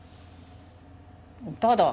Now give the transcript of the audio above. ただ。